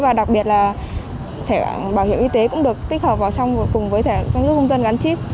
và đặc biệt là thẻ bảo hiểm y tế cũng được tích hợp vào trong cùng với thẻ căn cước công dân gắn chip